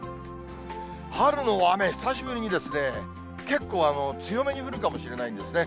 春の雨、久しぶりに結構強めに降るかもしれないんですね。